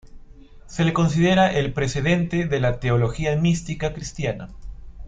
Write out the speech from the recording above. Se le considera el precedente de la teología mística cristiana.